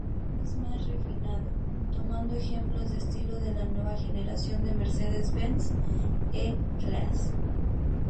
Es más refinado, tomando ejemplos de estilo de la nueva generación de Mercedes-Benz E-Class.